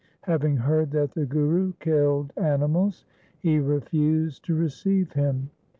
Having heard that the Guru killed animals, he refused to receive him.